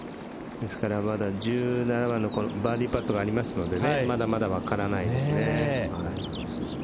ですからまだ１７番のバーディーパットがあるのでまだまだ分からないですね。